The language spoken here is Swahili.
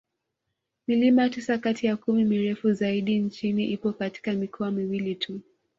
Milima tisa kati ya kumi mirefu zaidi nchini ipo katika mikoa miwili tu